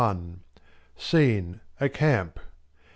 SCENE, A Camp.